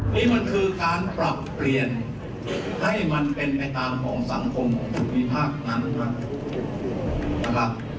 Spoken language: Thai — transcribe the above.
นี่มันคือการปรับเปลี่ยนให้มันเป็นไปตามของสังคมภูมิภาคนั้นนะครับ